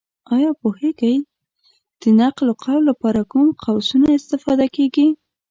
ایا پوهېږې! د نقل قول لپاره کوم قوسونه استفاده کېږي؟